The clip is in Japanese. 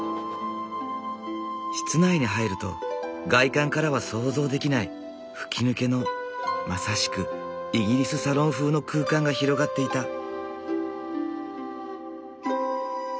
室内に入ると外観からは想像できない吹き抜けのまさしくイギリスサロン風の空間が広がっていた。